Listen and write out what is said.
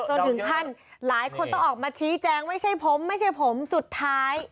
จนถึงขั้นหลายคนต้องออกมาชี้แจงไม่ใช่ผมไม่ใช่ผมสุดท้าย